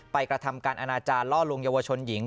กระทำการอนาจารย์ล่อลวงเยาวชนหญิง